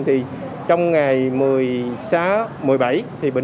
thì trong ngày một mươi sáu một mươi bảy